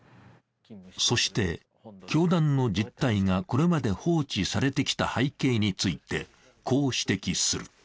そして、教団の実態がこれまで放置されてきた背景についてこう指摘する。